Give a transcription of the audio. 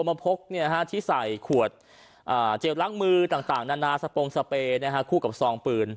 มาพกที่ใส่ขวดเจลล้างมือต่างนานาสปงสเปย์คู่กับซองปืน